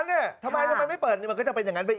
เนี่ยไม่เคยแล้วเปิดไม่เปิดมันไม่เปิดจะเป็นยังนั้นไป